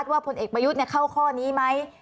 ของรัฐว่าผลเอกประยุทธ์เข้าข้อนี้ไหม